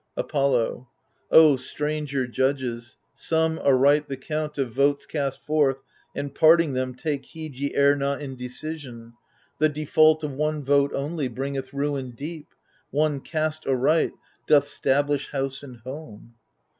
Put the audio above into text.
Apollo O stranger judges, sum aright the count Of votes cast forth, and, parting them, take heed Ye err not in decision. The default Of one vote only bringeth ruin deep, One, cast aright, doth stablish house and home.